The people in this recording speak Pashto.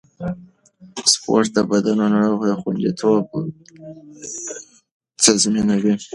سپورت د بندونو خونديتوب تضمینوي.